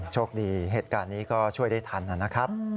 โชคดีเหตุการณ์นี้ก็ช่วยได้ทันนะครับ